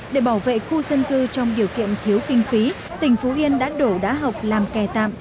để bảo vệ khu dân cư trong điều kiện thiếu kinh phí tỉnh phú yên đã đổ đá học làm kè tạm